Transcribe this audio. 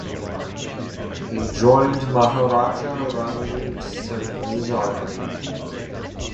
He joined Maharaja Ranjit Singh's army.